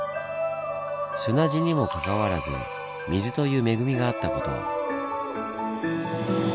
砂地にもかかわらず水という恵みがあった事。